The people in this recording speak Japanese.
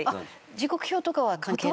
時刻表とかは関係ない？